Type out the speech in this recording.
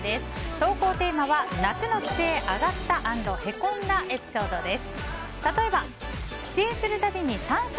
投稿テーマは夏の帰省アガった＆へこんだエピソードです。